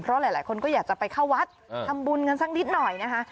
เพราะหลายคนก็อยากจะไปเข้าวัดทำบุญกันสักนิดหน่อยนะคะ